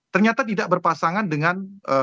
ternyata tidak berpasangan dengan